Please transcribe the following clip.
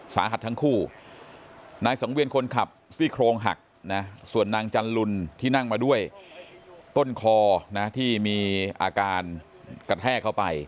สาหัสทั้งคู่นายสังเวียนคนขับซี่โครงหักนะส่วนนางจันลุนที่นั่งมาด้วยต้นคอนะที่มีอาการกระแทกเข้าไป